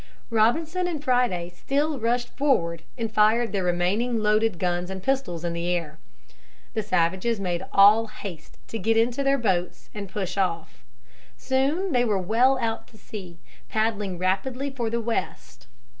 Robinson and Friday still rushed forward and fired their remaining loaded guns and pistols in the air. The savages made all haste to get into their boats and push off. Soon they were well out to sea, paddling rapidly for the west.